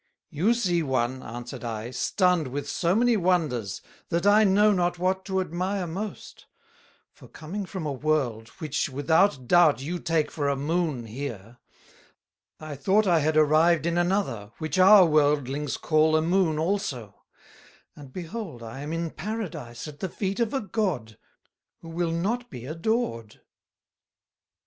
"You see one," answered I, "stunned with so many Wonders that I know not what to admire most; for coming from a World, which without doubt you take for a Moon here, I thought I had arrived in another, which our Worldlings call a Moon also; and behold I am in Paradice at the Feet of a God, who will not be Adored."